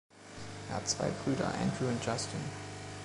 Er hat zwei Brüder, Andrew und Justin.